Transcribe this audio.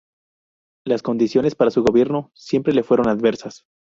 Las condiciones para su gobierno siempre le fueron adversas.